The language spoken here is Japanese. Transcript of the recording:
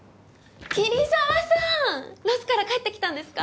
桐沢さんロスから帰ってきたんですか？